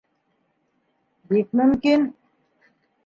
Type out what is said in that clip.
Бик мөмкин.